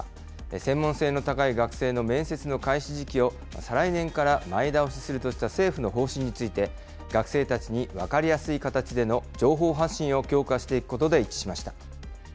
専門性の高い学生の面接の開始時期を再来年から前倒しするとした政府の方針について、学生たちに分かりやすい形での情報発信を強化していくことで一致しました。